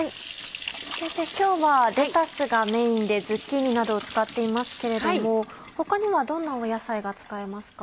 先生今日はレタスがメインでズッキーニなどを使っていますけれども他にはどんな野菜が使えますか？